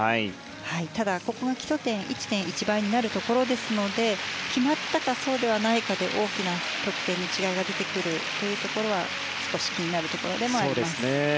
ただ、ここは基礎点が１．１倍になるところですので決まったか、そうではないかで大きな得点に違いが出るのが少し気になるところでもあります。